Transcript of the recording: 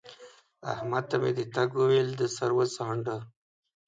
احمد ته مې د تګ وويل؛ ده سر وڅانډه